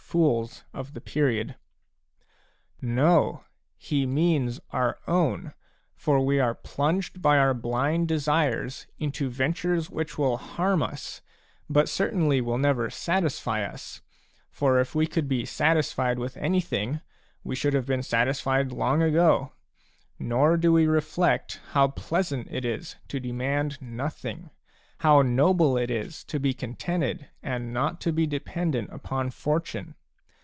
No ; he means our own, for we are plunged by our blind desires into ventures which will harm us, but certainly will never satisfy us ; for if we could be satisfied with anything, we should have been satisfied long ago ; nor do we reflect how pleasant it is to demand nothing, how noble it is to be contented and not to be dependent upon Fortune.